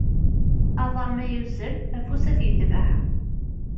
Aḍar ma yuzzel afus ad t-yetbeɛ.